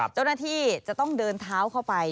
เจ้าหน้าที่จะต้องเดินเท้าเข้าไป